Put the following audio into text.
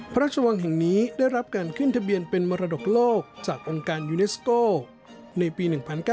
พระราชวังแห่งนี้ได้รับการขึ้นทะเบียนเป็นมรดกโลกจากองค์การยูเนสโกในปี๑๙๙